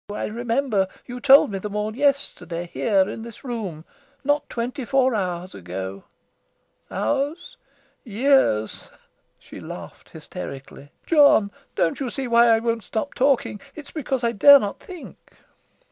I remember you told me them all yesterday, here in this room not twenty four hours ago. Hours? Years!" She laughed hysterically. "John, don't you see why I won't stop talking? It's because I dare not think."